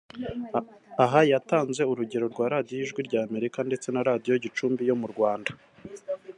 Aha yatanze urugero rwa Radiyo ijwi rya Amerika ndetse na Radiyo Gicumbi yo mu Rwanda